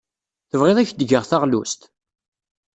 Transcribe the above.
Tebɣiḍ ad ak-d-geɣ taɣlust?